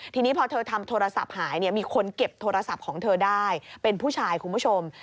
ทีนี้พอเธอทำโทรศัพท์หายเนี่ยมีคนเก็บโทรศัพท์ของเธอได้เป็นผู้ชายคุณผู้ชม